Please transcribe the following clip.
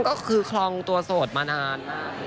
ก็คือคลองตัวโสดมานาน